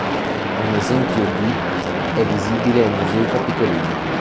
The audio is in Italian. Un esempio di è visibile ai Musei capitolini.